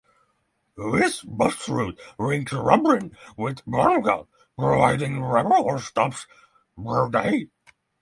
This bus route links Dublin with Donegal providing several stops per day.